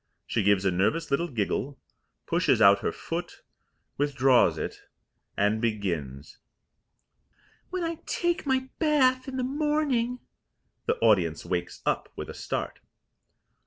She gives a nervous little giggle, pushes out her foot, withdraws it and begins: When I take my bath in the morning The audience wakes up with a start.